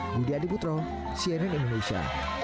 budi adiputro cnn indonesia